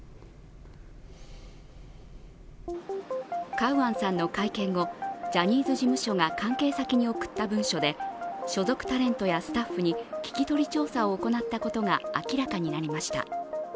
カウアンさんの会見後、ジャニーズ事務所が関係先に送った文書で所属タレントやスタッフに聞き取り調査を行ったことが明らかになりました。